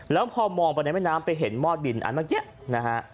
แล้วพอมองไปในแม่น้ำไปเห็นมอดดินอันเมื่อกี้นะฮะ